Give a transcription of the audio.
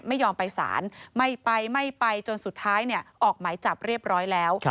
ไม่ยอมไปสารไม่ไปไม่ไปจนสุดท้ายออกหมายจับเรียบร้อยแล้ว